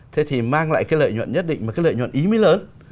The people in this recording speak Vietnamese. thế thì mang lại cái lợi nhuận nhất định và cái lợi nhuận ý mới lớn